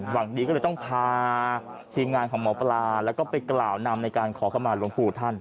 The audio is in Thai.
หวังดีก็เลยต้องพาทีมงานของหมอปลาแล้วก็ไปกล่าวนำในการขอเข้ามาหลวงปู่ท่าน